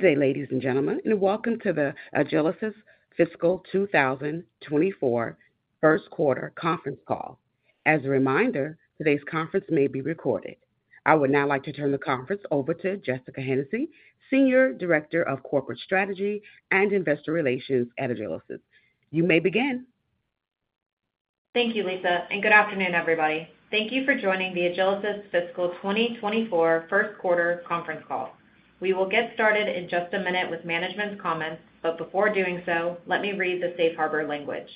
Good day, ladies and gentlemen, welcome to the Agilysys Fiscal 2024 First Quarter Conference Call. As a reminder, today's conference may be recorded. I would now like to turn the conference over to Jessica Hennessy, Senior Director of Corporate Strategy and Investor Relations at Agilysys. You may begin. Thank you, Lisa, and good afternoon, everybody. Thank you for joining the Agilysys Fiscal 2024 First Quarter Conference Call. We will get started in just a minute with management's comments, but before doing so, let me read the Safe Harbor language.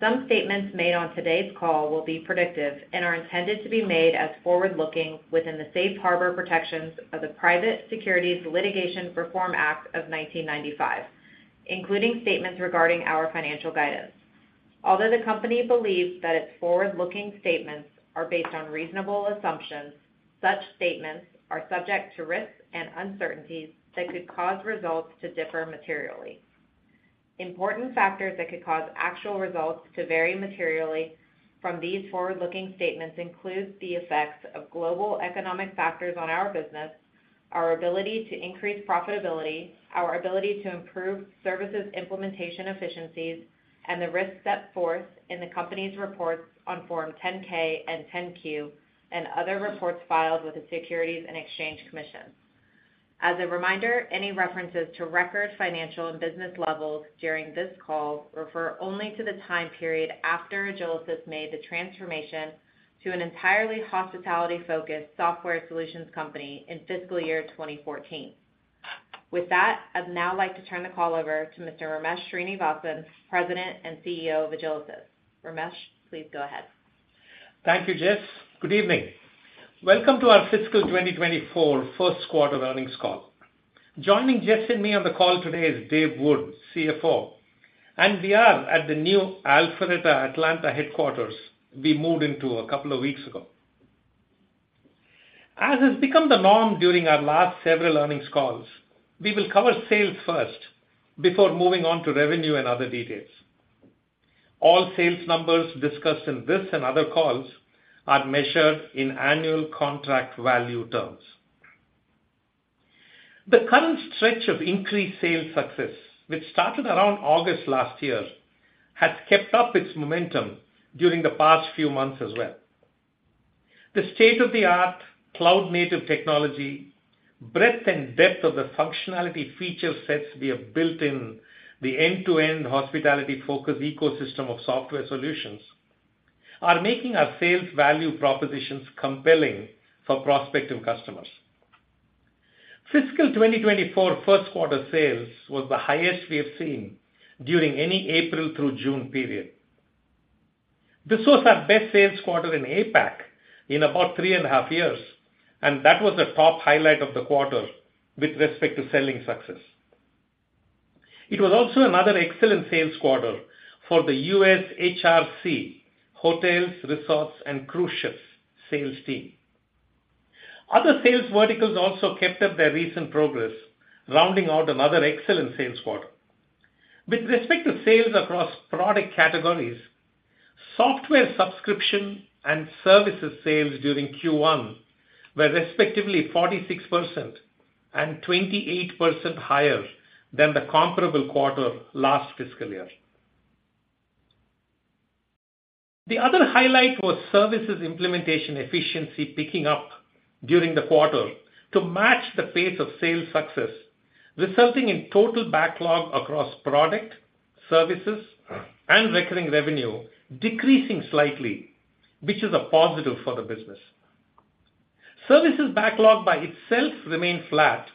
Some statements made on today's call will be predictive and are intended to be made as forward-looking within the Safe Harbor protections of the Private Securities Litigation Reform Act of 1995, including statements regarding our financial guidance. Although the company believes that its forward-looking statements are based on reasonable assumptions, such statements are subject to risks and uncertainties that could cause results to differ materially. Important factors that could cause actual results to vary materially from these forward-looking statements include the effects of global economic factors on our business, our ability to increase profitability, our ability to improve services, implementation efficiencies, and the risks set forth in the company's reports on Form 10-K and 10-Q, and other reports filed with the Securities and Exchange Commission. As a reminder, any references to record, financial, and business levels during this call refer only to the time period after Agilysys made the transformation to an entirely hospitality-focused software solutions company in fiscal year 2014. With that, I'd now like to turn the call over to Mr. Ramesh Srinivasan, President and CEO of Agilysys. Ramesh, please go ahead. Thank you, Jess. Good evening. Welcome to our fiscal 2024 first quarter earnings call. Joining Jess and me on the call today is Dave Wood, CFO, and we are at the new Alpharetta, Atlanta headquarters we moved into a couple of weeks ago. As has become the norm during our last several earnings calls, we will cover sales first before moving on to revenue and other details. All sales numbers discussed in this and other calls are measured in annual contract value terms. The current stretch of increased sales success, which started around August last year, has kept up its momentum during the past few months as well. The state-of-the-art cloud-native technology, breadth and depth of the functionality feature sets we have built in the end-to-end hospitality-focused ecosystem of software solutions, are making our sales value propositions compelling for prospective customers. Fiscal 2024 first quarter sales was the highest we have seen during any April through June period. This was our best sales quarter in APAC in about three and a half years, That was the top highlight of the quarter with respect to selling success. It was also another excellent sales quarter for the US HRC, hotels, resorts, and cruise ships sales team. Other sales verticals also kept up their recent progress, rounding out another excellent sales quarter. With respect to sales across product categories, software, subscription, and services sales during Q1 were respectively 46% and 28 higher than the comparable quarter last fiscal year. The other highlight was services implementation efficiency, picking up during the quarter to match the pace of sales success, resulting in total backlog across product, services, and recurring revenue, decreasing slightly, which is a positive for the business. Services backlog by itself remained flat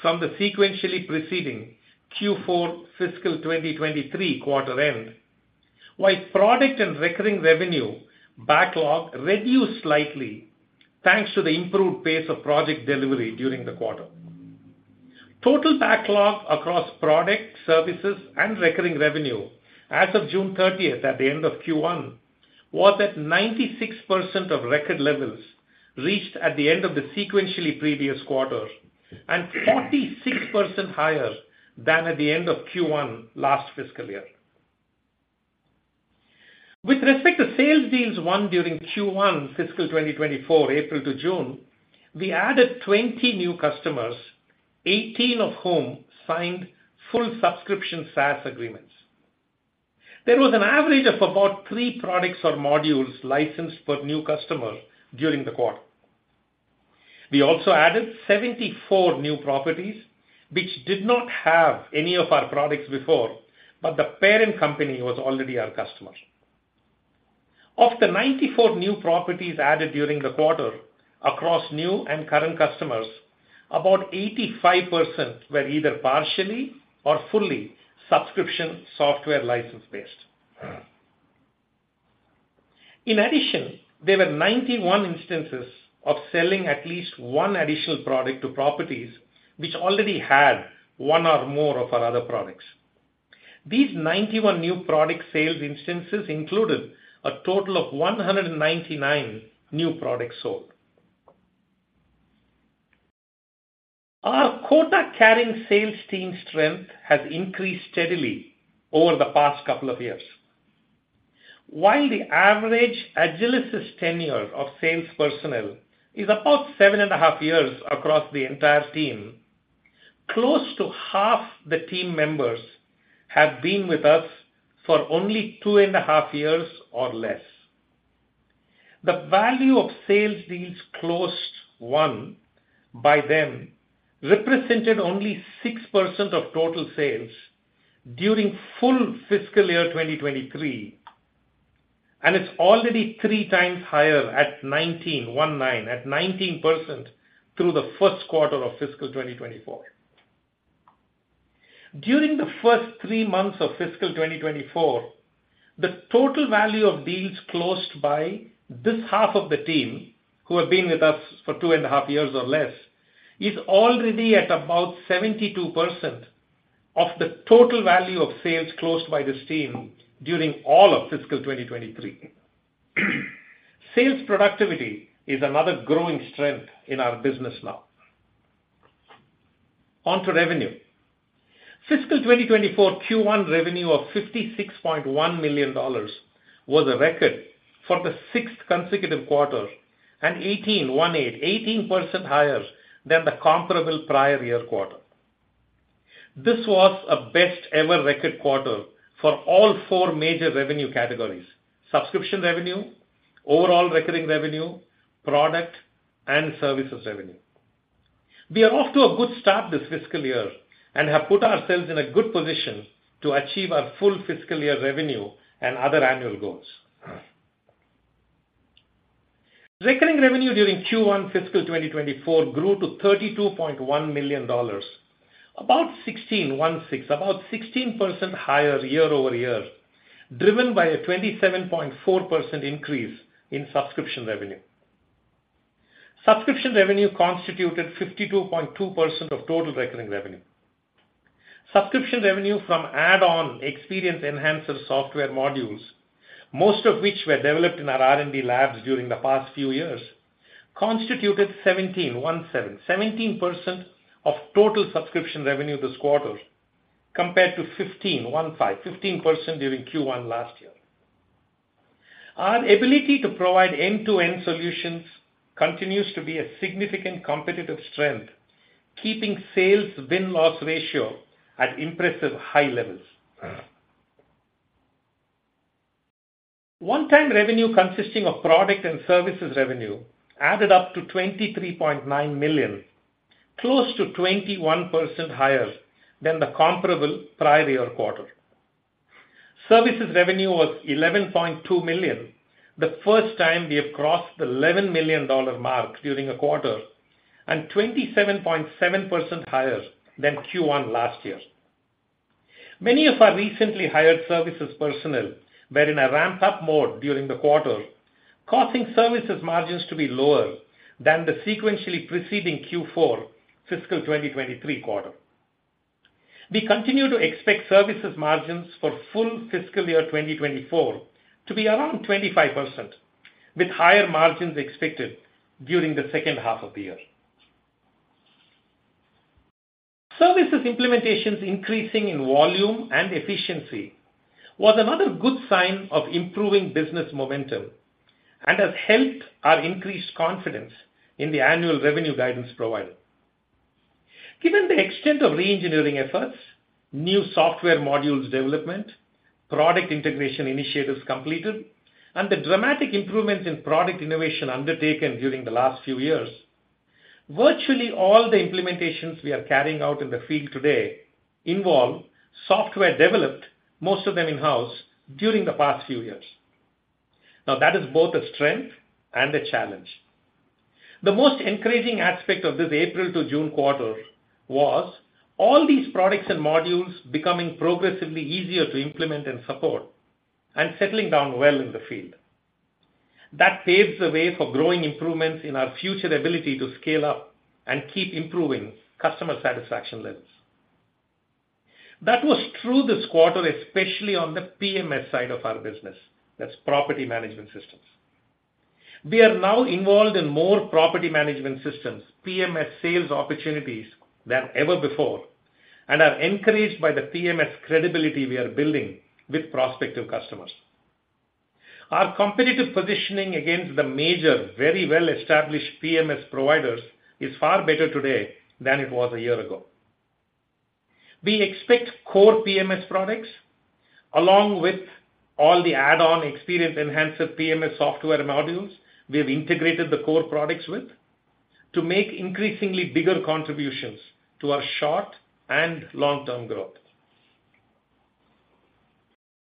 from the sequentially preceding Q4 fiscal 2023 quarter end, while product and recurring revenue backlog reduced slightly, thanks to the improved pace of project delivery during the quarter. Total backlog across product, services, and recurring revenue as of June 30th, at the end of Q1, was at 96% of record levels, reached at the end of the sequentially previous quarter, and 46% higher than at the end of Q1 last fiscal year. With respect to sales deals won during Q1 fiscal 2024, April to June, we added 20 new customers, 18 of whom signed full subscription SaaS agreements. There was an average of about three products or modules licensed per new customer during the quarter. We also added 74 new properties, which did not have any of our products before, but the parent company was already our customer. Of the 94 new properties added during the quarter across new and current customers, about 85% were either partially or fully subscription software license-based. In addition, there were 91 instances of selling at least one additional product to properties which already had one or more of our other products. These 91 new product sales instances included a total of 199 new products sold. Our quota-carrying sales team strength has increased steadily over the past couple of years. While the average Agilysys tenure of sales personnel is about seven and a half years across the entire team, close to half the team members have been with us for only two and a half years or less. The value of sales deals closed, one, by them, represented only 6% of total sales during full fiscal year 2023, and it's already three times higher at 19% through the first quarter of fiscal 2024. During the first 3 months of fiscal 2024, the total value of deals closed by this half of the team, who have been with us for 2 and a half years or less, is already at about 72% of the total value of sales closed by this team during all of fiscal 2023. Sales productivity is another growing strength in our business now. On to revenue. Fiscal 2024 Q1 revenue of $56.1 million was a record for the sixth consecutive quarter, and 18% higher than the comparable prior year quarter. This was a best-ever record quarter for all four major revenue categories: subscription revenue, overall recurring revenue, product, and services revenue. We are off to a good start this fiscal year and have put ourselves in a good position to achieve our full fiscal year revenue and other annual goals. Recurring revenue during Q1 FY 2024 grew to $32.1 million, about 16% higher year-over-year, driven by a 27.4% increase in subscription revenue. Subscription revenue constituted 52.2% of total recurring revenue. Subscription revenue from add-on experience enhancer software modules, most of which were developed in our R&D labs during the past few years, constituted 17% of total subscription revenue this quarter, compared to 15% during Q1 last year. Our ability to provide end-to-end solutions continues to be a significant competitive strength, keeping sales win-loss ratio at impressive high levels. One-time revenue, consisting of product and services revenue, added up to $23.9 million, close to 21% higher than the comparable prior year quarter. Services revenue was $11.2 million, the first time we have crossed the $11 million mark during a quarter, 27.7% higher than Q1 last year. Many of our recently hired services personnel were in a ramp-up mode during the quarter, causing services margins to be lower than the sequentially preceding Q4 fiscal 2023 quarter. We continue to expect services margins for full fiscal year 2024 to be around 25%, with higher margins expected during the second half of the year. Services implementations increasing in volume and efficiency was another good sign of improving business momentum and has helped our increased confidence in the annual revenue guidance provided. Given the extent of reengineering efforts, new software modules development, product integration initiatives completed, and the dramatic improvements in product innovation undertaken during the last few years, virtually all the implementations we are carrying out in the field today involve software developed, most of them in-house, during the past few years. That is both a strength and a challenge. The most encouraging aspect of this April to June quarter was all these products and modules becoming progressively easier to implement and support and settling down well in the field. That paves the way for growing improvements in our future ability to scale up and keep improving customer satisfaction levels. That was true this quarter, especially on the PMS side of our business, that's property management systems. We are now involved in more property management systems, PMS sales opportunities, than ever before, and are encouraged by the PMS credibility we are building with prospective customers. Our competitive positioning against the major, very well-established PMS providers is far better today than it was a year ago. We expect core PMS products, along with all the add-on experience enhancer PMS software modules we have integrated the core products with, to make increasingly bigger contributions to our short- and long-term growth.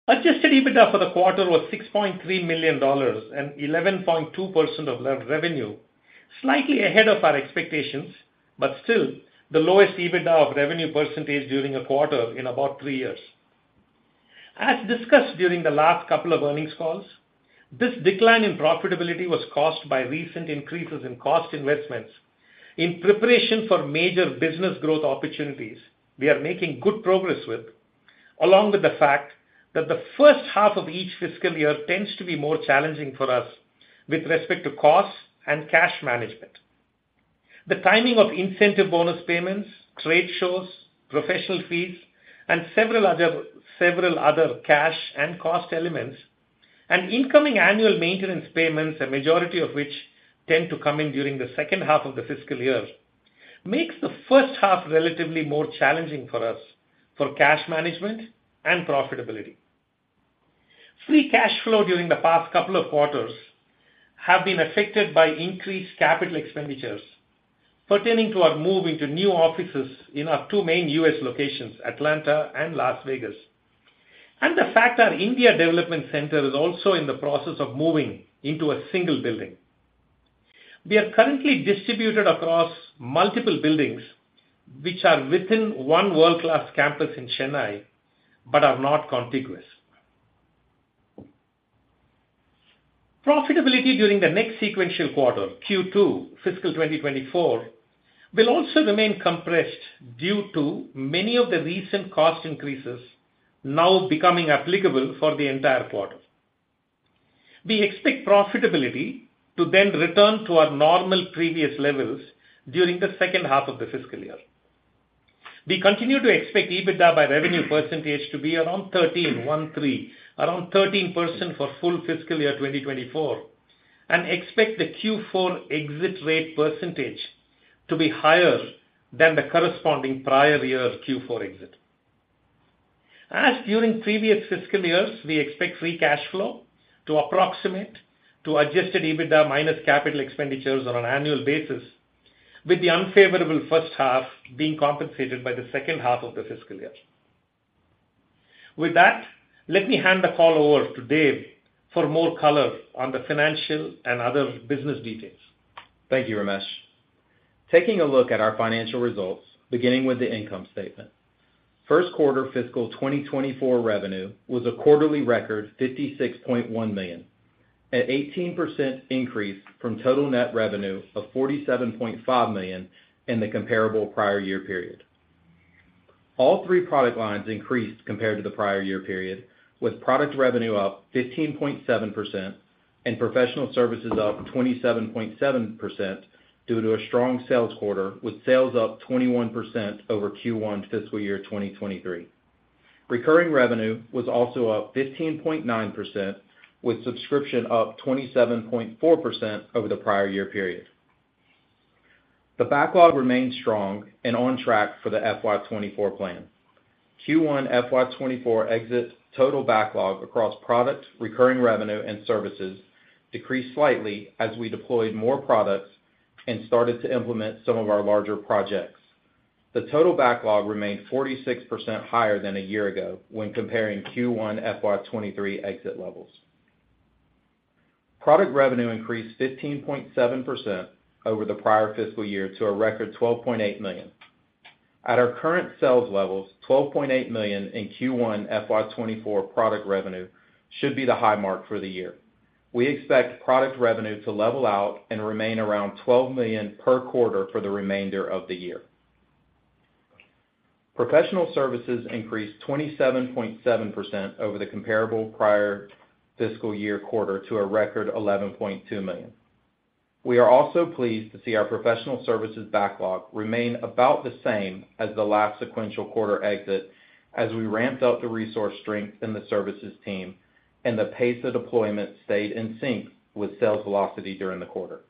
Adjusted EBITDA for the quarter was $6.3 million and 11.2% of revenue, slightly ahead of our expectations, but still the lowest EBITDA of revenue percentage during a quarter in about three years. As discussed during the last couple of earnings calls, this decline in profitability was caused by recent increases in cost investments in preparation for major business growth opportunities we are making good progress with, along with the fact that the first half of each fiscal year tends to be more challenging for us with respect to costs and cash management. The timing of incentive bonus payments, trade shows, professional fees, and several other cash and cost elements, and incoming annual maintenance payments, the majority of which tend to come in during the second half of the fiscal year, makes the first half relatively more challenging for us for cash management and profitability. Free cash flow during the past couple of quarters have been affected by increased CapEx pertaining to our move into new offices in our 2 main U.S. locations, Atlanta and Las Vegas, and the fact our India Development Center is also in the process of moving into a single building. We are currently distributed across multiple buildings, which are within 1 world-class campus in Chennai, but are not contiguous. Profitability during the next sequential quarter, Q2 FY 2024, will also remain compressed due to many of the recent cost increases now becoming applicable for the entire quarter. We expect profitability to then return to our normal previous levels during the second half of the fiscal year. We continue to expect EBITDA by revenue percentage to be around 13% for full fiscal year 2024, and expect the Q4 exit rate percentage to be higher than the corresponding prior year's Q4 exit. As during previous fiscal years, we expect free cash flow to approximate to Adjusted EBITDA minus capital expenditures on an annual basis, with the unfavorable first half being compensated by the second half of the fiscal year. With that, let me hand the call over to Dave for more color on the financial and other business details. Thank you, Ramesh. Taking a look at our financial results, beginning with the income statement. First quarter FY 2024 revenue was a quarterly record $56.1 million, an 18% increase from total net revenue of $47.5 million in the comparable prior year period. All three product lines increased compared to the prior year period, with product revenue up 15.7% and professional services up 27.7% due to a strong sales quarter, with sales up 21% over Q1 FY 2023. Recurring revenue was also up 15.9%, with subscription up 27.4% over the prior year period. The backlog remains strong and on track for the FY 2024 plan. Q1 FY 2024 exit total backlog across product, recurring revenue and services decreased slightly as we deployed more products and started to implement some of our larger projects. The total backlog remained 46% higher than a year ago when comparing Q1 FY 2023 exit levels. Product revenue increased 15.7% over the prior fiscal year to a record $12.8 million. At our current sales levels, $12.8 million in Q1 FY 2024 product revenue should be the high mark for the year. We expect product revenue to level out and remain around $12 million per quarter for the remainder of the year. Professional services increased 27.7% over the comparable prior fiscal year quarter to a record $11.2 million. We are also pleased to see our professional services backlog remain about the same as the last sequential quarter exit, as we ramped up the resource strength in the services team and the pace of deployment stayed in sync with sales velocity during the quarter.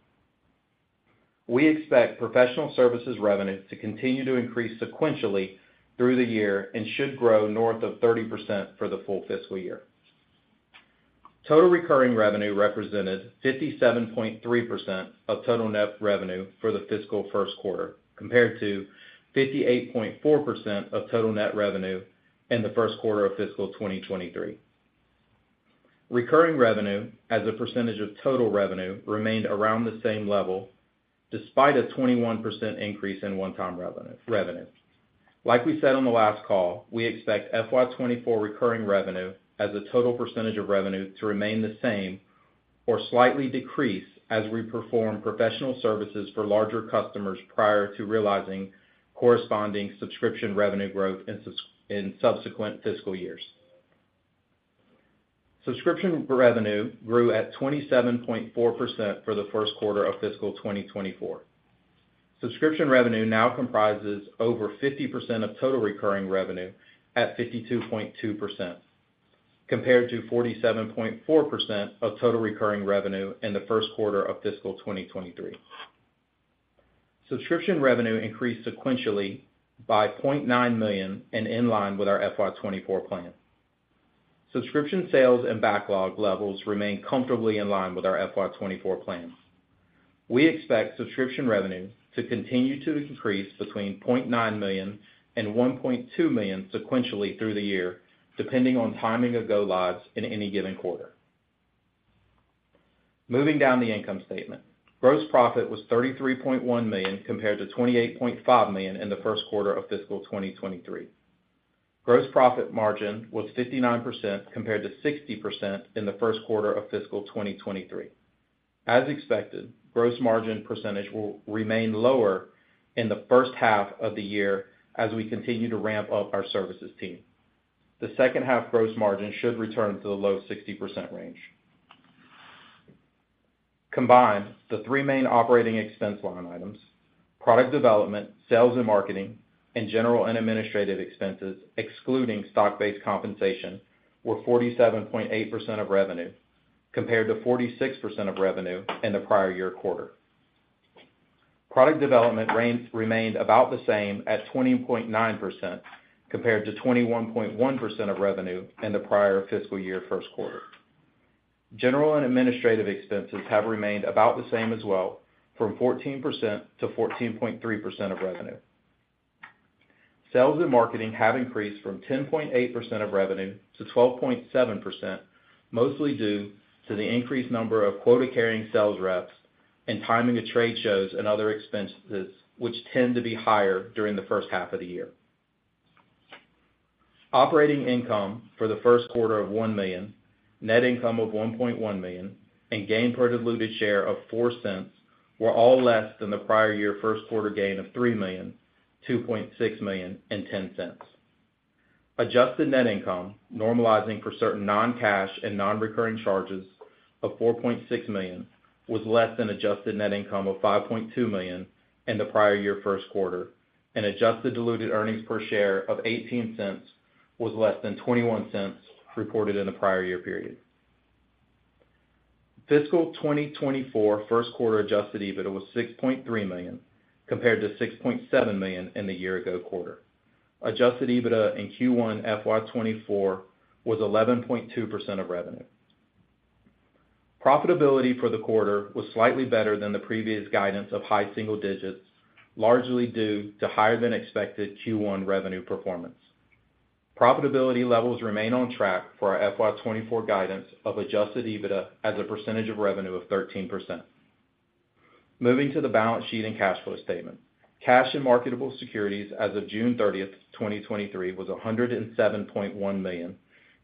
We expect professional services revenue to continue to increase sequentially through the year and should grow north of 30% for the full fiscal year. Total recurring revenue represented 57.3% of total net revenue for the fiscal first quarter, compared to 58.4% of total net revenue in the first quarter of fiscal 2023. Recurring revenue, as a percentage of total revenue, remained around the same level, despite a 21% increase in one-time revenue. Like we said on the last call, we expect FY 2024 recurring revenue as a total percentage of revenue, to remain the same or slightly decrease as we perform professional services for larger customers prior to realizing corresponding subscription revenue growth in subsequent fiscal years. Subscription revenue grew at 27.4% for the first quarter of fiscal 2024. Subscription revenue now comprises over 50% of total recurring revenue at 52.2%, compared to 47.4% of total recurring revenue in the first quarter of fiscal 2023. Subscription revenue increased sequentially by $0.9 million and in line with our FY 2024 plan. Subscription sales and backlog levels remain comfortably in line with our FY 2024 plans. We expect subscription revenue to continue to increase between $0.9 million and $1.2 million sequentially through the year, depending on timing of go lives in any given quarter. Moving down the income statement. Gross profit was $33.1 million, compared to $28.5 million in the first quarter of fiscal 2023. Gross profit margin was 59%, compared to 60% in the first quarter of fiscal 2023. As expected, gross margin percentage will remain lower in the first half of the year as we continue to ramp up our services team. The second half gross margin should return to the low 60% range. Combined, the three main operating expense line items, product development, sales and marketing, and general and administrative expenses, excluding stock-based compensation, were 47.8% of revenue, compared to 46% of revenue in the prior year quarter. Product development range remained about the same at 20.9%, compared to 21.1% of revenue in the prior fiscal year first quarter. General and administrative expenses have remained about the same as well, from 14% to 14.3% of revenue. Sales and marketing have increased from 10.8% of revenue to 12.7%, mostly due to the increased number of quota-carrying sales reps and timing of trade shows and other expenses, which tend to be higher during the first half of the year. Operating income for the first quarter of $1 million, net income of $1.1 million, and gain per diluted share of $0.04 were all less than the prior year first quarter gain of $3 million, $2.6 million, and $0.10. Adjusted net income, normalizing for certain non-cash and non-recurring charges of $4.6 million, was less than adjusted net income of $5.2 million in the prior year first quarter, and adjusted diluted earnings per share of $0.18 was less than $0.21 reported in the prior year period. Fiscal 2024 first quarter Adjusted EBITDA was $6.3 million, compared to $6.7 million in the year ago quarter. Adjusted EBITDA in Q1 FY 2024 was 11.2% of revenue. Profitability for the quarter was slightly better than the previous guidance of high single digits, largely due to higher than expected Q1 revenue performance. Profitability levels remain on track for our FY 2024 guidance of Adjusted EBITDA as a percentage of revenue of 13%. Moving to the balance sheet and cash flow statement. Cash and marketable securities as of June 30, 2023, was $107.1 million,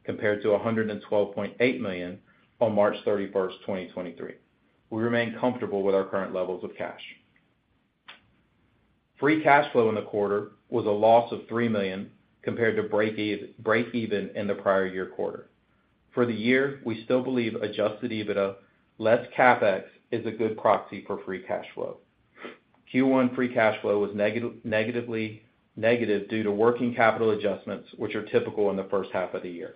compared to $112.8 million on March 31, 2023. We remain comfortable with our current levels of cash. Free cash flow in the quarter was a loss of $3 million, compared to breakeven in the prior year quarter. For the year, we still believe Adjusted EBITDA, less CapEx, is a good proxy for free cash flow. Q1 free cash flow was negative due to working capital adjustments, which are typical in the first half of the year.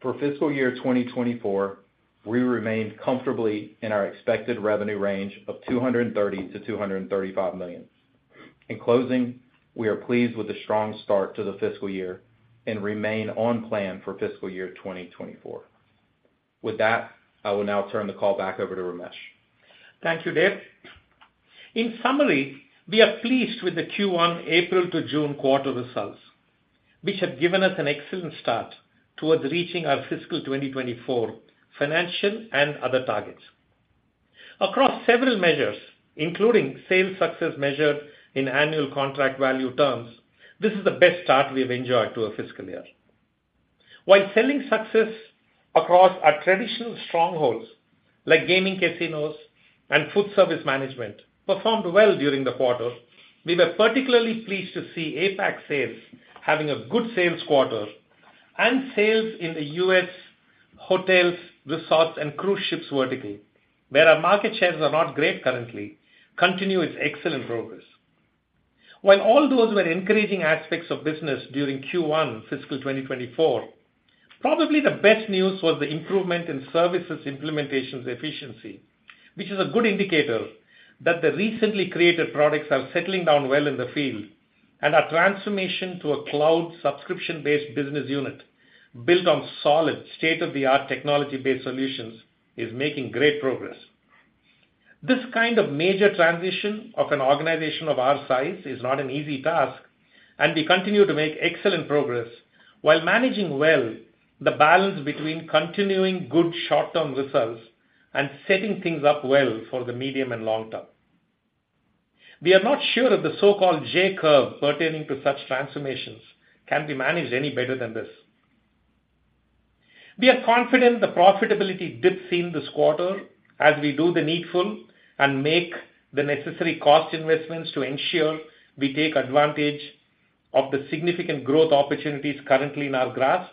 For fiscal year 2024, we remain comfortably in our expected revenue range of $230 million-$235 million. In closing, we are pleased with the strong start to the fiscal year and remain on plan for fiscal year 2024. With that, I will now turn the call back over to Ramesh. Thank you, Dave. In summary, we are pleased with the Q1, April to June quarter results, which have given us an excellent start towards reaching our fiscal 2024 financial and other targets. Across several measures, including sales success measured in annual contract value terms, this is the best start we have enjoyed to a fiscal year. While selling success across our traditional strongholds, like gaming casinos and food service management, performed well during the quarter, we were particularly pleased to see APAC sales having a good sales quarter, and sales in the U.S. hotels, resorts, and cruise ships vertically, where our market shares are not great currently, continue its excellent progress. All those were increasing aspects of business during Q1 FY 2024, probably the best news was the improvement in services implementations efficiency, which is a good indicator that the recently created products are settling down well in the field, and our transformation to a cloud subscription-based business unit built on solid, state-of-the-art technology-based solutions, is making great progress. This kind of major transition of an organization of our size is not an easy task, and we continue to make excellent progress while managing well the balance between continuing good short-term results and setting things up well for the medium and long term. We are not sure if the so-called J-curve pertaining to such transformations can be managed any better than this. We are confident the profitability dips in this quarter, as we do the needful and make the necessary cost investments to ensure we take advantage of the significant growth opportunities currently in our grasp,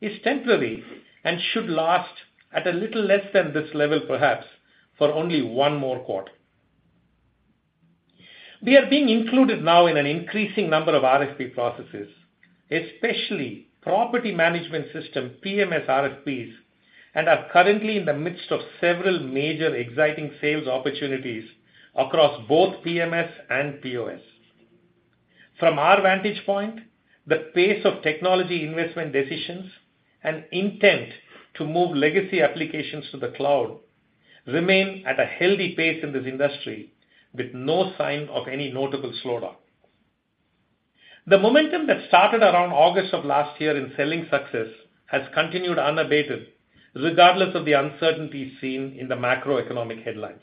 is temporary and should last at a little less than this level, perhaps, for only one more quarter. We are being included now in an increasing number of RFP processes, especially property management system, PMS RFPs, and are currently in the midst of several major exciting sales opportunities across both PMS and POS. From our vantage point, the pace of technology investment decisions and intent to move legacy applications to the cloud remain at a healthy pace in this industry, with no sign of any notable slowdown. The momentum that started around August of last year in selling success has continued unabated, regardless of the uncertainties seen in the macroeconomic headlines.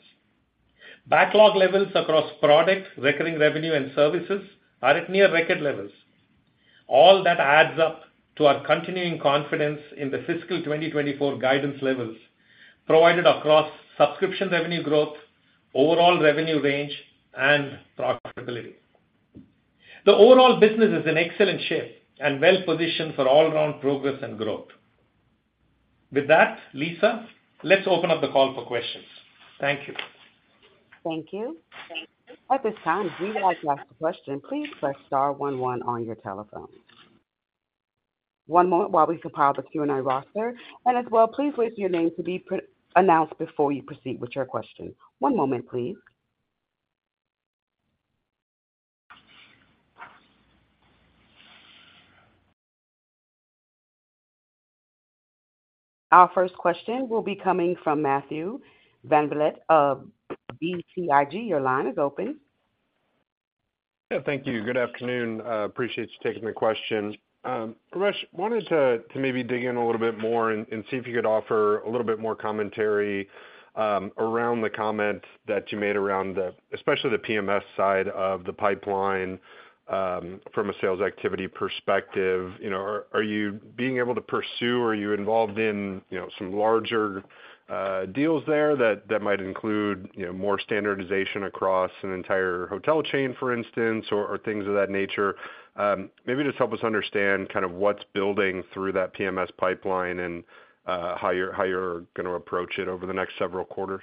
Backlog levels across products, recurring revenue, and services are at near record levels. All that adds up to our continuing confidence in the fiscal 2024 guidance levels provided across subscription revenue growth, overall revenue range, and profitability. The overall business is in excellent shape and well positioned for all-around progress and growth. With that, Lisa, let's open up the call for questions. Thank you. Thank you. At this time, if you would like to ask a question, please press star one one on your telephone. One moment while we compile the Q&A roster, and as well, please state your name to be announced before you proceed with your question. One moment, please. Our first question will be coming from Matt VanVliet of BTIG. Your line is open. Thank you. Good afternoon. Appreciate you taking the question. Ramesh, wanted to maybe dig in a little bit more and see if you could offer a little bit more commentary, around the comment that you made around the especially the PMS side of the pipeline, from a sales activity perspective. You know, are you being able to pursue, or are you involved in, you know, some larger deals there that might include, you know, more standardization across an entire hotel chain, for instance, or things of that nature? Maybe just help us understand kind of what's building through that PMS pipeline and how you're going to approach it over the next several quarters?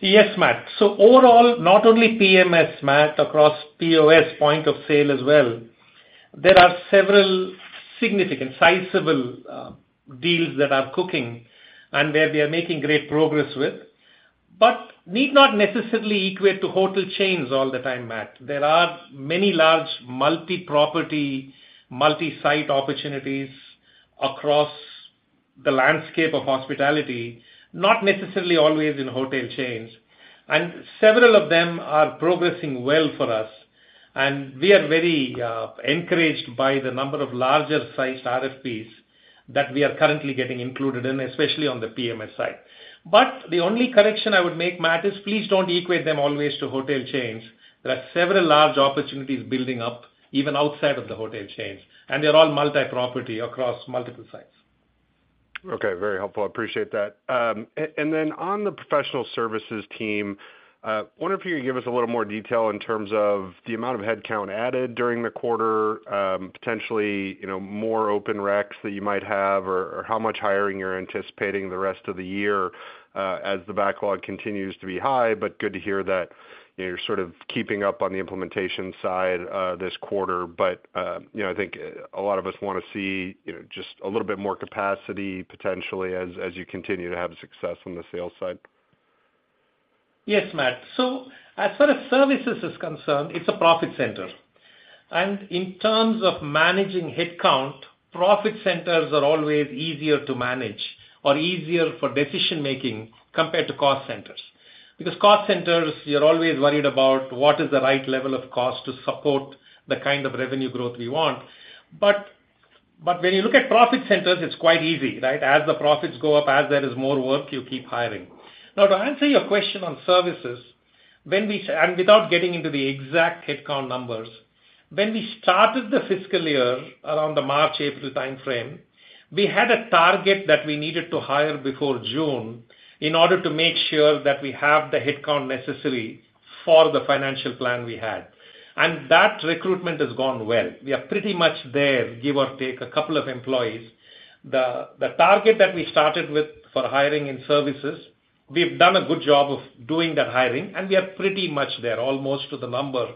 Yes, Matt. Overall, not only PMS, Matt, across POS, point of sale as well, there are several significant sizable deals that are cooking and where we are making great progress with, but need not necessarily equate to hotel chains all the time, Matt. There are many large multi-property, multi-site opportunities across the landscape of hospitality, not necessarily always in hotel chains, and several of them are progressing well for us. We are very encouraged by the number of larger sized RFPs that we are currently getting included in, especially on the PMS side. The only correction I would make, Matt, is please don't equate them always to hotel chains. There are several large opportunities building up even outside of the hotel chains, and they're all multi-property across multiple sites. Okay. Very helpful. I appreciate that. On the professional services team, wonder if you could give us a little more detail in terms of the amount of headcount added during the quarter, potentially, you know, more open recs that you might have, or how much hiring you're anticipating the rest of the year, as the backlog continues to be high, but good to hear that you're sort of keeping up on the implementation side, this quarter. you know, I think a lot of us wanna see, you know, just a little bit more capacity potentially as you continue to have success on the sales side. Yes, Matt. As far as services is concerned, it's a profit center. In terms of managing headcount, profit centers are always easier to manage or easier for decision-making compared to cost centers. Because cost centers, you're always worried about what is the right level of cost to support the kind of revenue growth we want. When you look at profit centers, it's quite easy, right? As the profits go up, as there is more work, you keep hiring. To answer your question on services, and without getting into the exact headcount numbers, when we started the fiscal year, around the March, April timeframe, we had a target that we needed to hire before June in order to make sure that we have the headcount necessary for the financial plan we had, and that recruitment has gone well. We are pretty much there, give or take 2 employees. The target that we started with for hiring in services, we've done a good job of doing that hiring, and we are pretty much there, almost to the number.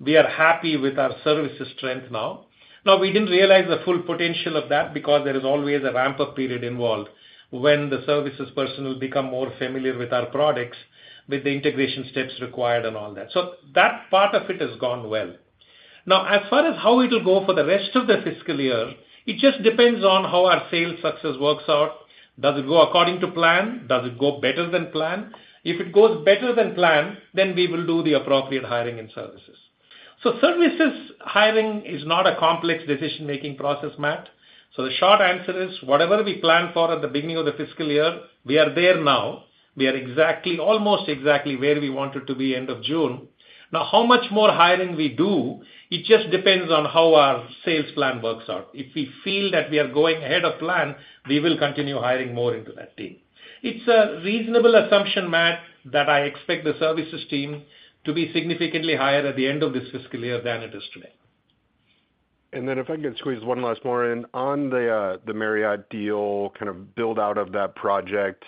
We are happy with our services strength now. Now, we didn't realize the full potential of that because there is always a ramp-up period involved when the services person will become more familiar with our products, with the integration steps required and all that. That part of it has gone well. Now, as far as how it will go for the rest of the fiscal year, it just depends on how our sales success works out. Does it go according to plan? Does it go better than planned? If it goes better than planned, then we will do the appropriate hiring and services. Services hiring is not a complex decision-making process, Matt. The short answer is, whatever we planned for at the beginning of the fiscal year, we are there now. We are almost exactly where we wanted to be end of June. How much more hiring we do, it just depends on how our sales plan works out. If we feel that we are going ahead of plan, we will continue hiring more into that team. It's a reasonable assumption, Matt, that I expect the services team to be significantly higher at the end of this fiscal year than it is today. If I could squeeze one last more in. On the Marriott deal, kind of build out of that project,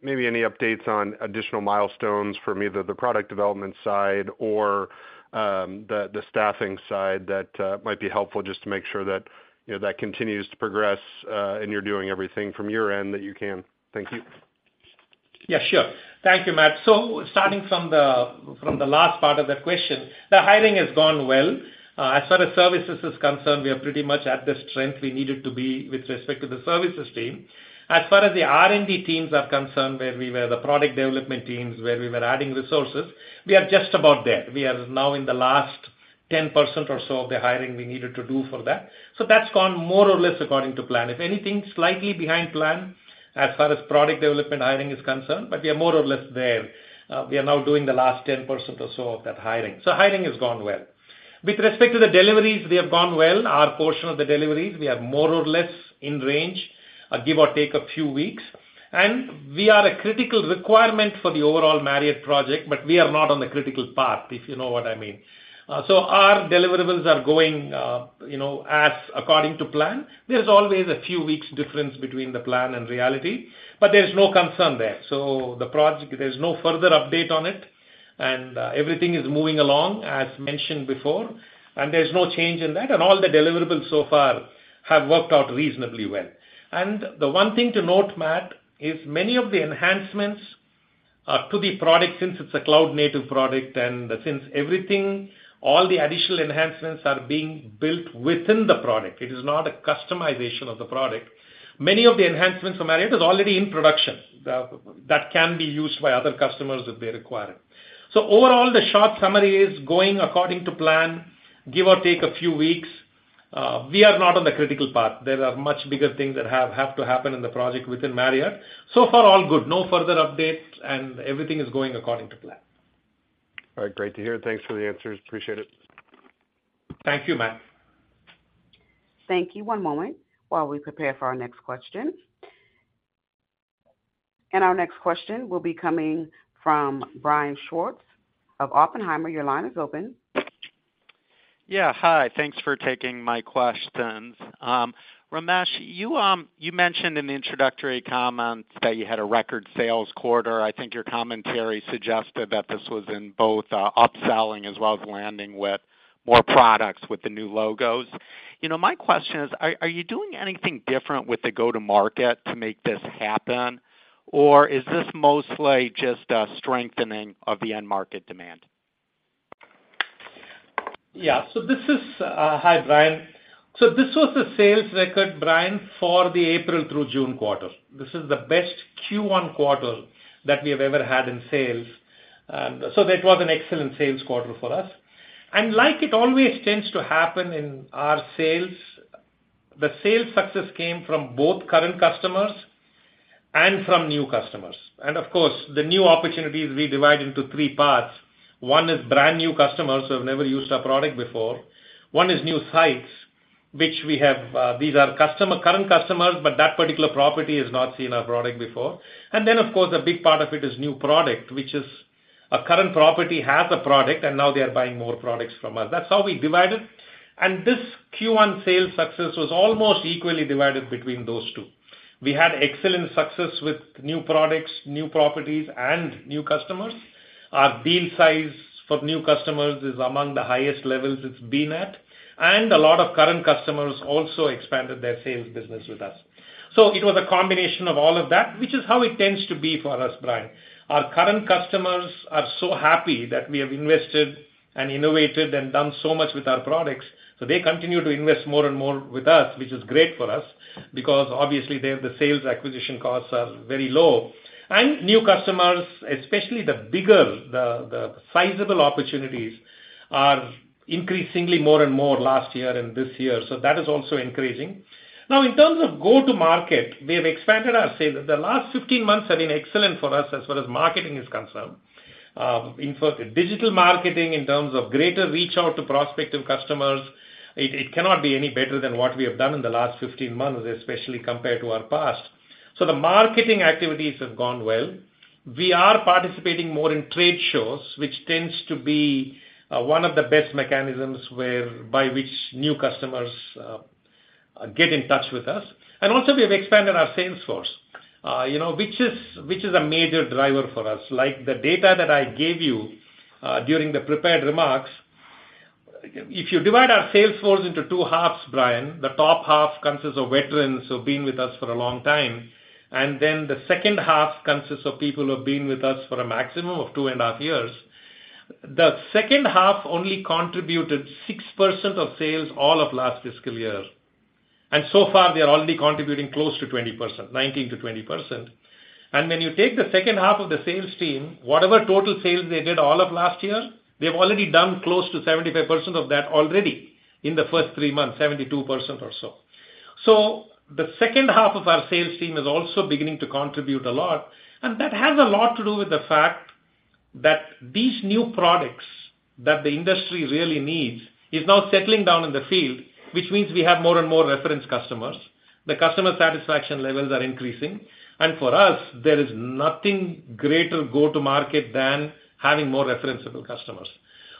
maybe any updates on additional milestones from either the product development side or the staffing side that might be helpful just to make sure that, you know, that continues to progress and you're doing everything from your end that you can. Thank you. Yeah, sure. Thank you, Matt. Starting from the last part of that question, the hiring has gone well. As far as services is concerned, we are pretty much at the strength we needed to be with respect to the services team. As far as the R&D teams are concerned, where we were the product development teams, where we were adding resources, we are just about there. We are now in the last 10% or so of the hiring we needed to do for that. That's gone more or less according to plan. If anything, slightly behind plan as far as product development hiring is concerned. We are more or less there. We are now doing the last 10% or so of that hiring. Hiring has gone well. With respect to the deliveries, they have gone well. Our portion of the deliveries, we are more or less in range, give or take a few weeks, and we are a critical requirement for the overall Marriott project, but we are not on the critical path, if you know what I mean. Our deliverables are going, you know, as according to plan. There's always a few weeks difference between the plan and reality, but there's no concern there. The project, there's no further update on it, and everything is moving along as mentioned before, and there's no change in that. All the deliverables so far have worked out reasonably well. The one thing to note, Matt, is many of the enhancements to the product, since it's a cloud-native product and since everything, all the additional enhancements are being built within the product, it is not a customization of the product. Many of the enhancements for Marriott is already in production, that can be used by other customers if they require it. Overall, the short summary is going according to plan, give or take a few weeks. We are not on the critical path. There are much bigger things that have to happen in the project within Marriott. Far, all good. No further updates, and everything is going according to plan. All right. Great to hear. Thanks for the answers. Appreciate it. Thank you, Matt. Thank you. One moment while we prepare for our next question. Our next question will be coming from Brian Schwartz of Oppenheimer. Your line is open. Hi, thanks for taking my questions. Ramesh, you mentioned in the introductory comments that you had a record sales quarter. I think your commentary suggested that this was in both upselling as well as landing with more products with the new logos. You know, my question is: Are you doing anything different with the go-to-market to make this happen, or is this mostly just a strengthening of the end-market demand? Yeah. Hi, Brian. This was a sales record, Brian, for the April through June quarter. This is the best Q1 quarter that we have ever had in sales. That was an excellent sales quarter for us. Like it always tends to happen in our sales, the sales success came from both current customers and from new customers. Of course, the new opportunities we divide into 3 parts. One is brand new customers who have never used our product before. One is new sites, which we have, these are current customers, but that particular property has not seen our product before. Of course, a big part of it is new product, which is a current property, has a product, and now they are buying more products from us. That's how we divide it. This Q1 sales success was almost equally divided between those two. We had excellent success with new products, new properties, and new customers. Our deal size for new customers is among the highest levels it's been at, and a lot of current customers also expanded their sales business with us. It was a combination of all of that, which is how it tends to be for us, Brian. Our current customers are so happy that we have invested and innovated and done so much with our products, so they continue to invest more and more with us, which is great for us because obviously, there, the sales acquisition costs are very low. New customers, especially the bigger, the sizable opportunities, are increasingly more and more last year and this year, so that is also increasing. Now, in terms of go-to-market, we have expanded our sales. The last 15 months have been excellent for us as far as marketing is concerned. In fact, digital marketing, in terms of greater reach out to prospective customers, it cannot be any better than what we have done in the last 15 months, especially compared to our past. The marketing activities have gone well. We are participating more in trade shows, which tends to be one of the best mechanisms where, by which new customers get in touch with us. Also, we have expanded our sales force, you know, which is a major driver for us. Like, the data that I gave you, during the prepared remarks, if you divide our sales force into two halves, Brian, the top half consists of veterans who've been with us for a long time, then the second half consists of people who have been with us for a maximum of two and a half years. The second half only contributed 6% of sales all of last fiscal year, so far they are already contributing close to 20%, 19%-20%. When you take the second half of the sales team, whatever total sales they did all of last year, they've already done close to 75% of that already in the first three months, 72% or so. The second half of our sales team is also beginning to contribute a lot, and that has a lot to do with the fact that these new products that the industry really needs is now settling down in the field, which means we have more and more reference customers. The customer satisfaction levels are increasing, and for us, there is nothing greater go-to-market than having more referenceable customers.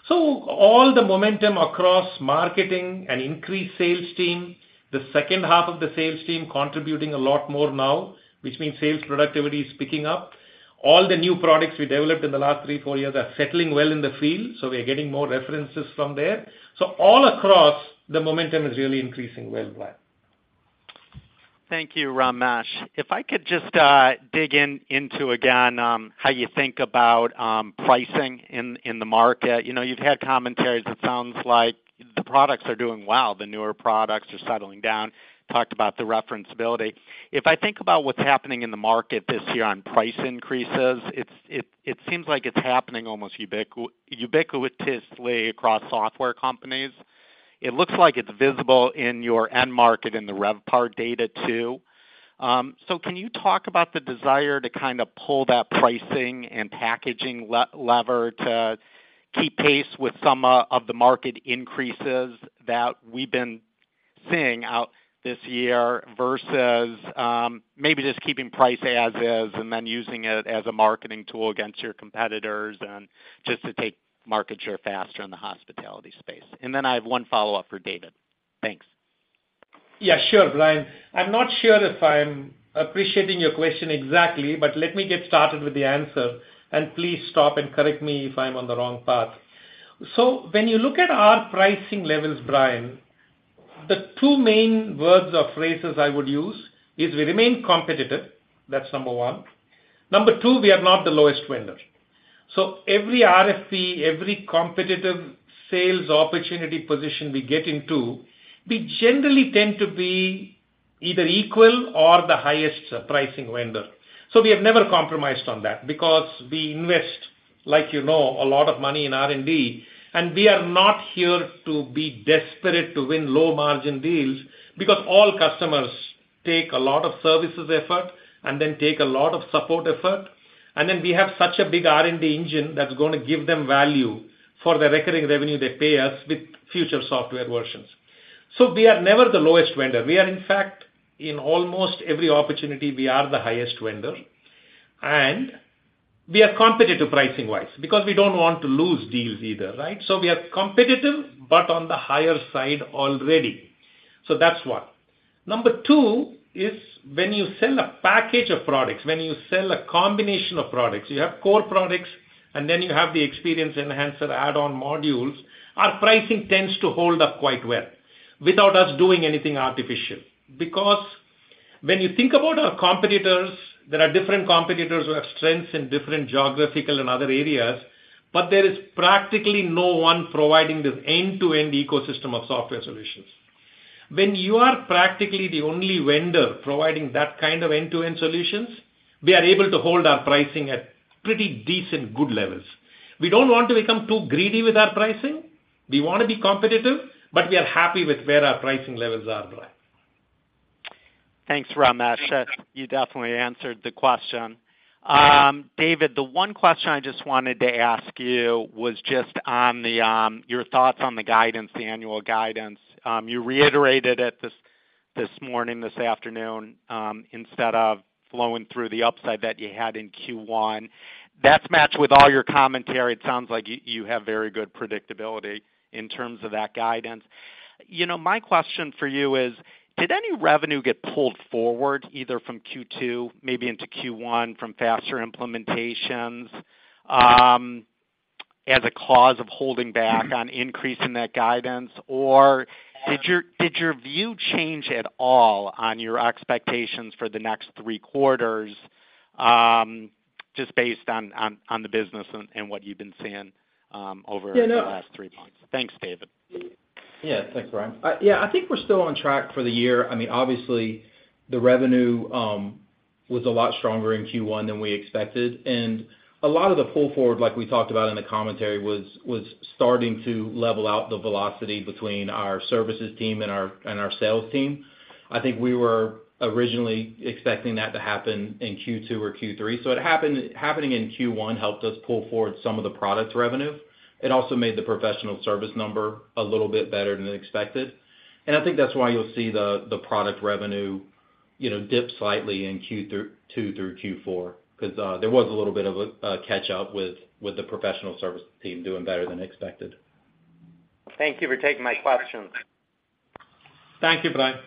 All the momentum across marketing and increased sales team, the second half of the sales team contributing a lot more now, which means sales productivity is picking up. All the new products we developed in the last 3, 4 years are settling well in the field, so we are getting more references from there. All across, the momentum is really increasing well, Brian. Thank you, Ramesh. If I could just dig into again, how you think about pricing in the market. You know, you've had commentaries, it sounds like the products are doing well, the newer products are settling down. Talked about the referenceability. If I think about what's happening in the market this year on price increases, it seems like it's happening almost ubiquitously across software companies. It looks like it's visible in your end market in the RevPAR data, too. Can you talk about the desire to kind of pull that pricing and packaging lever to keep pace with some of the market increases that we've been seeing out this year, versus maybe just keeping price as is, and then using it as a marketing tool against your competitors, and just to take market share faster in the hospitality space? I have one follow-up for David. Thanks. Yeah, sure, Brian. I'm not sure if I'm appreciating your question exactly. Let me get started with the answer. Please stop and correct me if I'm on the wrong path. When you look at our pricing levels, Brian, the two main words or phrases I would use, is we remain competitive, that's number one. Number two, we are not the lowest vendor. Every RFP, every competitive sales opportunity position we get into, we generally tend to be either equal or the highest pricing vendor. We have never compromised on that, because we invest, like you know, a lot of money in R&D, and we are not here to be desperate to win low-margin deals, because all customers take a lot of services effort, and then take a lot of support effort. Then we have such a big R&D engine that's going to give them value for the recurring revenue they pay us with future software versions. We are never the lowest vendor. We are, in fact, in almost every opportunity, we are the highest vendor, and we are competitive pricing-wise, because we don't want to lose deals either, right? We are competitive, but on the higher side already. That's one. Number two is when you sell a package of products, when you sell a combination of products, you have core products, and then you have the experience enhancer add-on modules, our pricing tends to hold up quite well without us doing anything artificial. When you think about our competitors, there are different competitors who have strengths in different geographical and other areas, but there is practically no one providing this end-to-end ecosystem of software solutions. When you are practically the only vendor providing that kind of end-to-end solutions, we are able to hold our pricing at pretty decent, good levels. We don't want to become too greedy with our pricing. We want to be competitive. We are happy with where our pricing levels are, Brian. Thanks, Ramesh. You definitely answered the question. David, the one question I just wanted to ask you was just on the, your thoughts on the guidance, the annual guidance. You reiterated it this morning, this afternoon, instead of flowing through the upside that you had in Q1. That's matched with all your commentary, it sounds like you have very good predictability in terms of that guidance. You know, my question for you is: Did any revenue get pulled forward, either from Q2, maybe into Q1, from faster implementations, as a cause of holding back on increasing that guidance? Did your view change at all on your expectations for the next three quarters, just based on the business and what you've been seeing, over the last three months? Thanks, Dave. Yeah. Thanks, Brian. Yeah, I think we're still on track for the year. I mean, obviously, the revenue, was a lot stronger in Q1 than we expected, and a lot of the pull forward, like we talked about in the commentary, was starting to level out the velocity between our services team and our sales team. I think we were originally expecting that to happen in Q2 or Q3, so happening in Q1 helped us pull forward some of the products revenue. It also made the professional service number a little bit better than expected. I think that's why you'll see the product revenue, you know, dip slightly in Q2 through Q4, because there was a little bit of a catch up with the professional services team doing better than expected. Thank you for taking my questions. Thank you, Brian.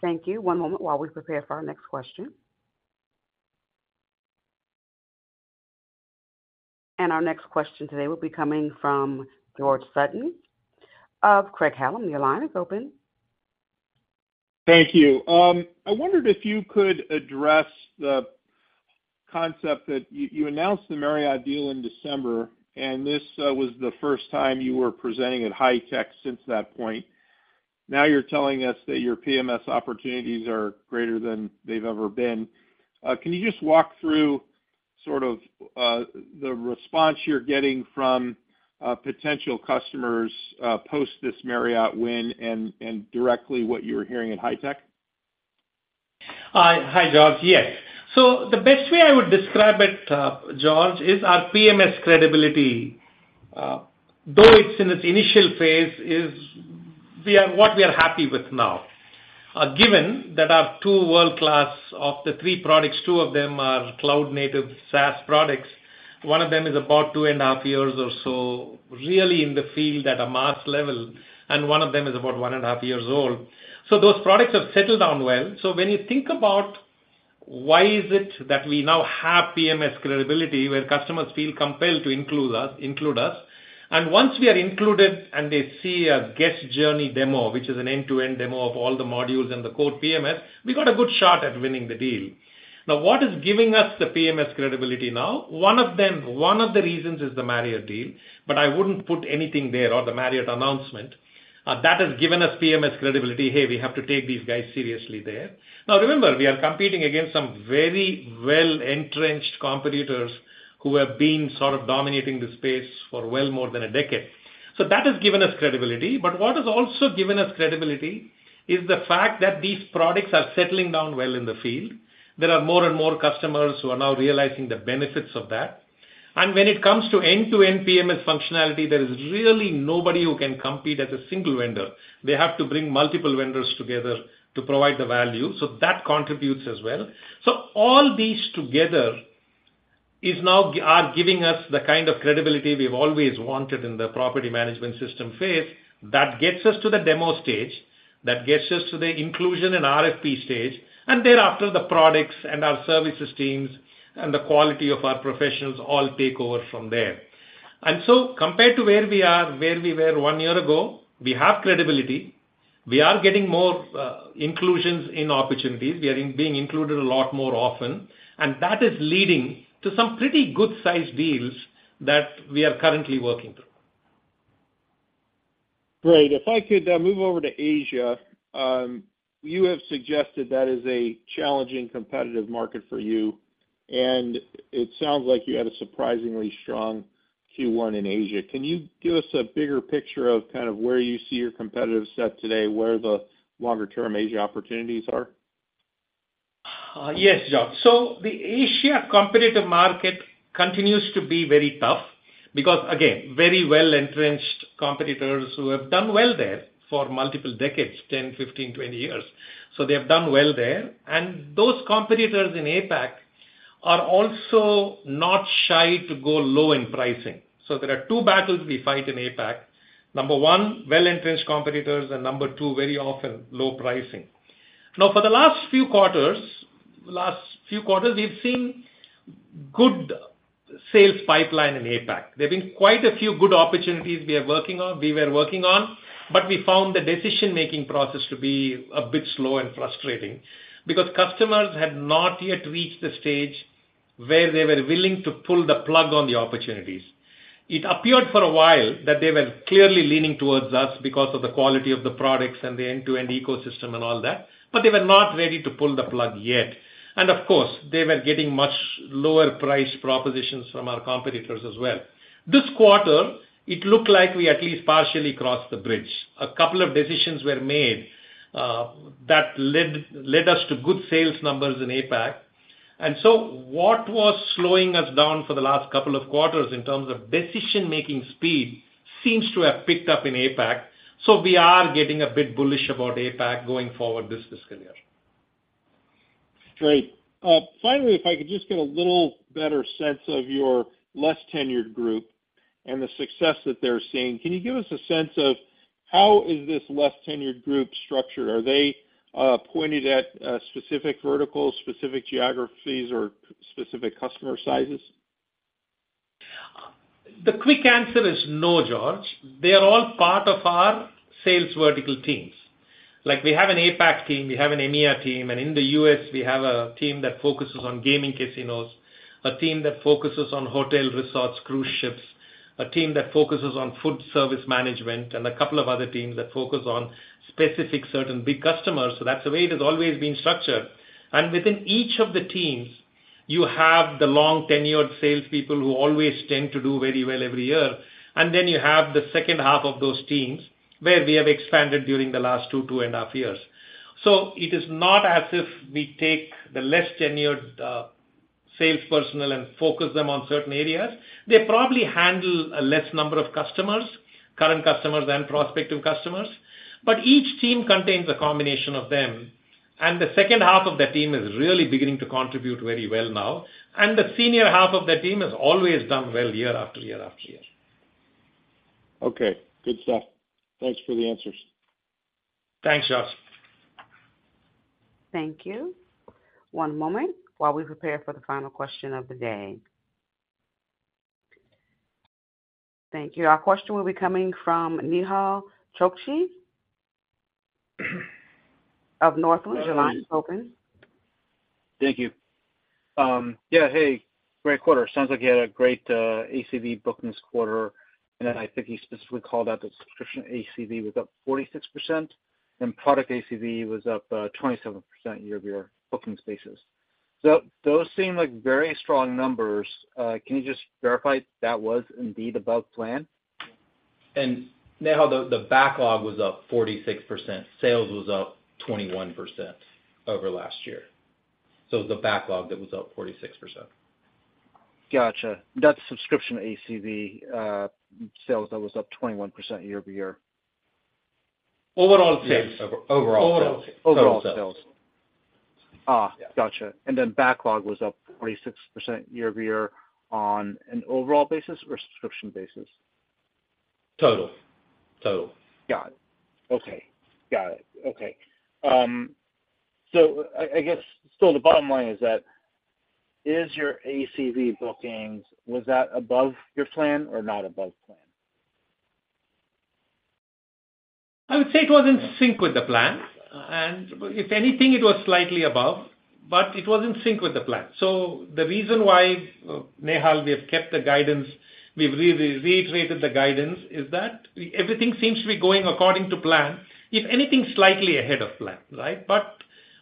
Thank you. One moment while we prepare for our next question. Our next question today will be coming from George Sutton of Craig-Hallum. Your line is open. Thank you. I wondered if you could address the concept that you announced the Marriott deal in December, and this was the first time you were presenting at HITEC since that point. Now, you're telling us that your PMS opportunities are greater than they've ever been. Can you just walk through sort of, the response you're getting from, potential customers, post this Marriott win and directly what you're hearing at HITEC? Hi, George. Yes. The best way I would describe it, George, is our PMS credibility, though it's in its initial phase, is what we are happy with now. Given that Of the three products, two of them are cloud-native SaaS products. One of them is about 2.5 years or so, really in the field at a mass level, and one of them is about 1.5 years old. Those products have settled down well. When you think about why is it that we now have PMS credibility, where customers feel compelled to include us, and once we are included and they see a guest journey demo, which is an end-to-end demo of all the modules and the core PMS, we got a good shot at winning the deal. What is giving us the PMS credibility now? One of the reasons is the Marriott deal, but I wouldn't put anything there or the Marriott announcement. That has given us PMS credibility. "Hey, we have to take these guys seriously there." Remember, we are competing against some very well-entrenched competitors who have been sort of dominating the space for well more than a decade. That has given us credibility, but what has also given us credibility is the fact that these products are settling down well in the field. There are more and more customers who are now realizing the benefits of that. When it comes to end-to-end PMS functionality, there is really nobody who can compete as a single vendor. They have to bring multiple vendors together to provide the value, that contributes as well. All these together are giving us the kind of credibility we've always wanted in the property management system phase. That gets us to the demo stage, that gets us to the inclusion and RFP stage, and thereafter, the products and our services teams and the quality of our professionals all take over from there. Compared to where we are, where we were one year ago, we have credibility. We are getting more inclusions in opportunities. We are being included a lot more often, and that is leading to some pretty good-sized deals that we are currently working through. Great. If I could move over to Asia. You have suggested that is a challenging, competitive market for you, and it sounds like you had a surprisingly strong Q1 in Asia. Can you give us a bigger picture of kind of where you see your competitive set today, where the longer-term Asia opportunities are? Yes, George. The Asia competitive market continues to be very tough because, again, very well-entrenched competitors who have done well there for multiple decades, 10, 15, 20 years. They have done well there. Those competitors in APAC are also not shy to go low in pricing. There are two battles we fight in APAC. Number 1, well-entrenched competitors, and number 2, very often low pricing. Now, for the last few quarters, we've seen good sales pipeline in APAC. There have been quite a few good opportunities we were working on, but we found the decision-making process to be a bit slow and frustrating because customers had not yet reached the stage where they were willing to pull the plug on the opportunities. It appeared for a while that they were clearly leaning towards us because of the quality of the products and the end-to-end ecosystem and all that, but they were not ready to pull the plug yet. Of course, they were getting much lower price propositions from our competitors as well. This quarter, it looked like we at least partially crossed the bridge. A couple of decisions were made that led us to good sales numbers in APAC. What was slowing us down for the last couple of quarters in terms of decision-making speed, seems to have picked up in APAC, so we are getting a bit bullish about APAC going forward this fiscal year. Great. Finally, if I could just get a little better sense of your less tenured group and the success that they're seeing. Can you give us a sense of how is this less tenured group structured? Are they pointed at specific verticals, specific geographies, or specific customer sizes? The quick answer is no, George. They are all part of our sales vertical teams. Like, we have an APAC team, we have an EMEA team, and in the U.S., we have a team that focuses on gaming casinos, a team that focuses on hotel resorts, cruise ships, a team that focuses on food service management, and a couple of other teams that focus on specific, certain big customers. That's the way it has always been structured. Within each of the teams, you have the long-tenured salespeople who always tend to do very well every year. You have the second half of those teams, where we have expanded during the last 2.5 years. It is not as if we take the less tenured sales personnel and focus them on certain areas. They probably handle a less number of customers, current customers than prospective customers, but each team contains a combination of them, and the second half of the team is really beginning to contribute very well now, and the senior half of the team has always done well year after year after year. Okay, good stuff. Thanks for the answers. Thanks, George. Thank you. One moment while we prepare for the final question of the day. Thank you. Our question will be coming from Nehal Chokshi of Northland. Thank you. Yeah, hey, great quarter. Sounds like you had a great ACV bookings quarter. I think you specifically called out the subscription ACV was up 46% and product ACV was up 27% year-over-year, booking spaces. Those seem like very strong numbers. Can you just verify that was indeed above plan? Nehal, the backlog was up 46%. Sales was up 21% over last year. It was the backlog that was up 46%. Gotcha. That's subscription ACV, sales that was up 21% year-over-year. Overall sales. Yes, overall sales. Overall sales. Total sales. Gotcha. Yeah. Backlog was up 46% year-over-year on an overall basis or subscription basis? Total. Got it. Okay. Got it. Okay. I guess, the bottom line is your ACV bookings, was that above your plan or not above plan? I would say it was in sync with the plan, and if anything, it was slightly above, but it was in sync with the plan. The reason why, Nehal, we have kept the guidance, we've reiterated the guidance, is that everything seems to be going according to plan. If anything, slightly ahead of plan, right?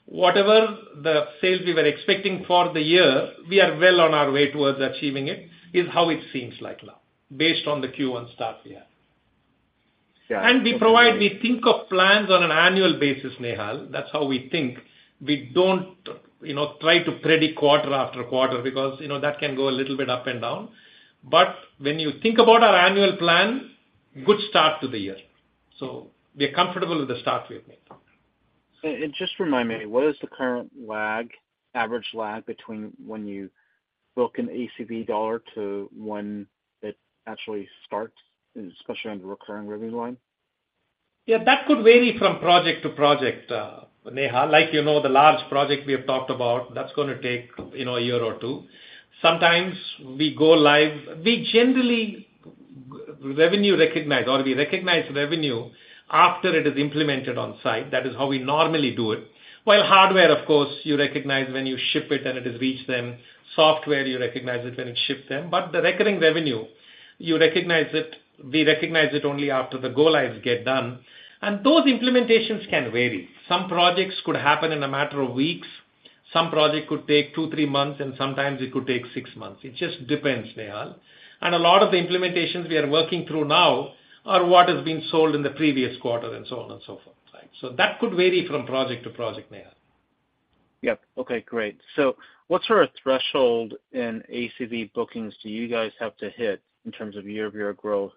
Whatever the sales we were expecting for the year, we are well on our way towards achieving it, is how it seems like now, based on the Q1 start here. Yeah. We think of plans on an annual basis, Nehal. That's how we think. We don't, you know, try to predict quarter after quarter, because, you know, that can go a little bit up and down. When you think about our annual plan, good start to the year. We're comfortable with the start we've made. Just remind me, what is the current lag, average lag between when you book an ACV dollar to when it actually starts, especially on the recurring revenue line? Yeah, that could vary from project to project, Nehal. Like, you know, the large project we have talked about, that's gonna take, you know, a year or two. Sometimes we go live. We generally revenue recognize, or we recognize revenue after it is implemented on site. That is how we normally do it. Hardware, of course, you recognize when you ship it, and it has reached them. Software, you recognize it when it's shipped them. The recurring revenue, we recognize it only after the go-lives get done, and those implementations can vary. Some projects could happen in a matter of weeks, some project could take 2, 3 months, and sometimes it could take 6 months. It just depends, Nehal. A lot of the implementations we are working through now are what has been sold in the previous quarter, and so on and so forth, right? That could vary from project to project, Nehal. Yep. Okay, great. What sort of threshold in ACV bookings do you guys have to hit in terms of year-over-year growth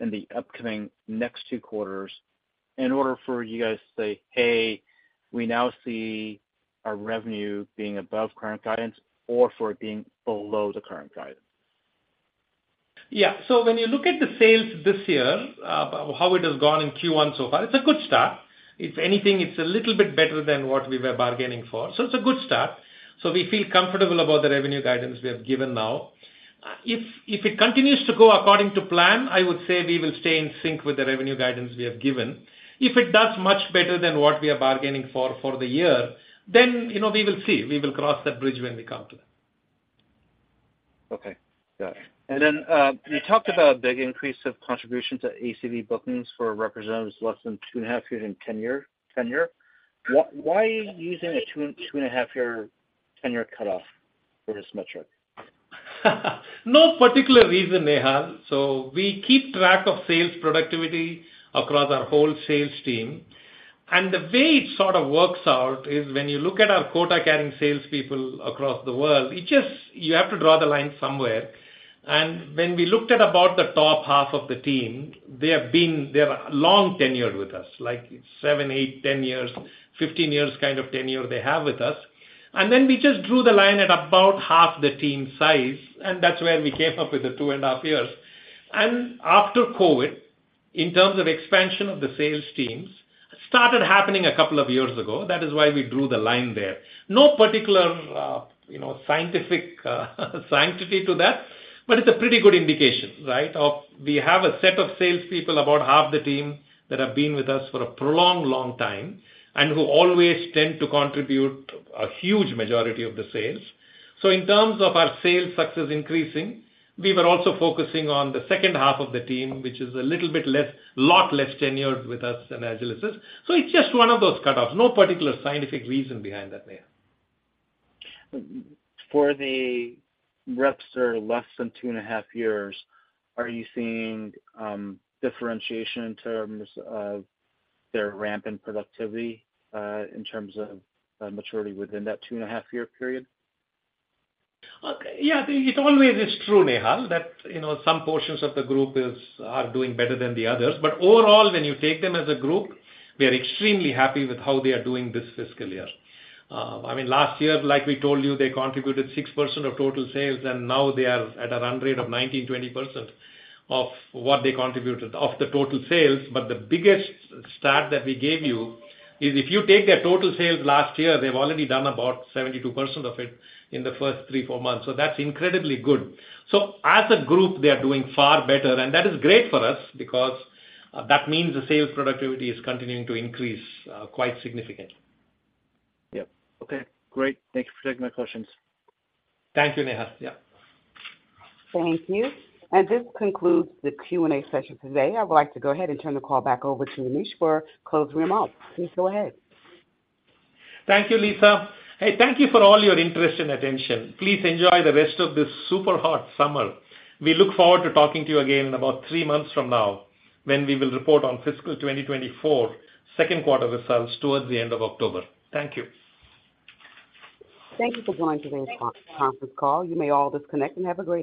in the upcoming next two quarters, in order for you guys to say, "Hey, we now see our revenue being above current guidance, or for it being below the current guidance? Yeah. When you look at the sales this year, how it has gone in Q1 so far, it's a good start. If anything, it's a little bit better than what we were bargaining for. It's a good start. We feel comfortable about the revenue guidance we have given now. If it continues to go according to plan, I would say we will stay in sync with the revenue guidance we have given. If it does much better than what we are bargaining for for the year, then, you know, we will see. We will cross that bridge when we come to it. Okay, got it. Then, you talked about a big increase of contribution to ACV bookings for representatives less than two and a half years in tenure. Why are you using a two and a half year tenure cutoff for this metric? No particular reason, Nehal. We keep track of sales productivity across our whole sales team, and the way it sort of works out is when you look at our quota-carrying salespeople across the world, You have to draw the line somewhere. When we looked at about the top half of the team, They are long tenured with us, like 7, 8, 10 years, 15 years, kind of tenure they have with us. Then we just drew the line at about half the team size, and that's where we came up with the 2 and a half years. After COVID, in terms of expansion of the sales teams, started happening a couple of years ago. That is why we drew the line there. No particular, you know, scientific sanctity to that, but it's a pretty good indication, right? We have a set of salespeople, about half the team, that have been with us for a prolonged long time, and who always tend to contribute a huge majority of the sales. In terms of our sales success increasing, we were also focusing on the second half of the team, which is a little bit less, lot less tenured with us than Agilysys. It's just one of those cutoffs, no particular scientific reason behind that, Nehal. For the reps that are less than 2.5 years, are you seeing differentiation in terms of their ramp in productivity, in terms of maturity within that 2.5-year period? Yeah, it always is true, Nehal, that, you know, some portions of the group is, are doing better than the others. Overall, when you take them as a group, we are extremely happy with how they are doing this fiscal year. I mean, last year, like we told you, they contributed 6% of total sales, and now they are at a run rate of 19%-20% of what they contributed, of the total sales. The biggest stat that we gave you is if you take their total sales last year, they've already done about 72% of it in the first 3-4 months. That's incredibly good. As a group, they are doing far better, and that is great for us, because that means the sales productivity is continuing to increase quite significantly. Yep. Okay, great. Thank you for taking my questions. Thank you, Nehal. Yeah. Thank you. This concludes the Q&A session today. I would like to go ahead and turn the call back over to Manish for closing remarks. Please go ahead. Thank you, Lisa. Hey, thank you for all your interest and attention. Please enjoy the rest of this super hot summer. We look forward to talking to you again in about three months from now, when we will report on fiscal 2024, second quarter results towards the end of October. Thank you. Thank you for joining today's conference call. You may all disconnect and have a great day.